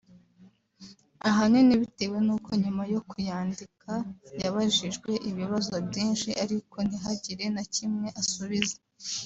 ahanini bitewe n’uko nyuma yo kuyandika yabajijwe ibibazo byinshi ariko ntihagire na kimwe asubiza